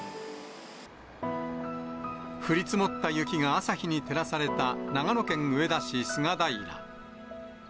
降り積もった雪が朝日に照らされた、長野県上田市菅平。